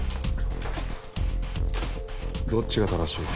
どっちが正しい？